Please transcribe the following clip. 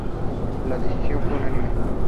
La decisión fue unánime.